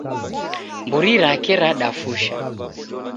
Mburi rake radafusha.